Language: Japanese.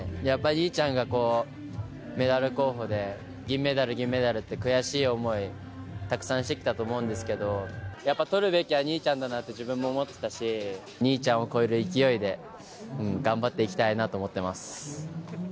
やっぱ兄ちゃんがメダル候補で、銀メダル、銀メダルって悔しい思い、たくさんしてきたと思うんですけど、やっぱとるべきは兄ちゃんだなって自分も思ってたし、兄ちゃんを超える勢いで、頑張っていきたいなと思ってます。